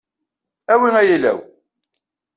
Awi ayal-aw.